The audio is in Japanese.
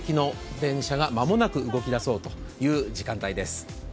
電車が間もなく動きだそうという時間帯です。